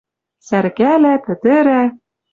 Сӓрӹкӓлӓ, пӹтӹрӓ.